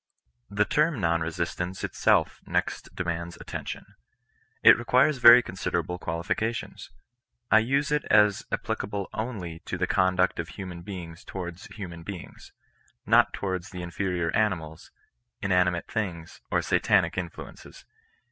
The term non resistance itself next demands attention. It requires very considerable qualifications. I use it as applicable onli/ to the conduct of human beings towards human beings — not towards the inferior animals, inani mate things, or satanic influences.